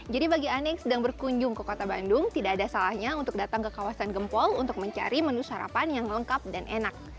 jadi bagi aneh yang sedang berkunjung ke kota bandung tidak ada salahnya untuk datang ke kawasan gempol untuk mencari menu sarapan yang lengkap dan enak